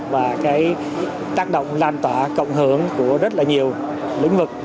và cái tác động lan tỏa cộng hưởng của rất là nhiều lĩnh vực